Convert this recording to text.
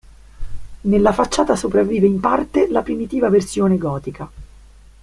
Nella facciata sopravvive in parte la primitiva versione gotica.